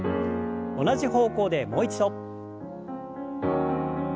同じ方向でもう一度。